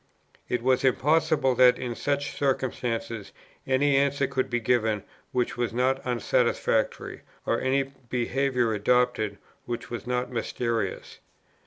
it was impossible that, in such circumstances, any answer could be given which was not unsatisfactory, or any behaviour adopted which was not mysterious.